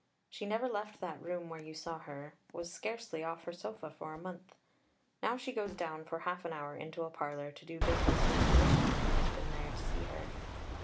She never left that room where you saw her, was scarcely off her sofa for a month. Now she goes down for half an hour into a parlour, to do business with a Commissioner who has been there to see her.